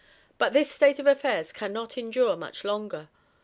But this state of affairs cannot endure much longer.